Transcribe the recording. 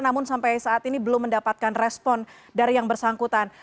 namun sampai saat ini belum mendapatkan respon dari yang bersangkutan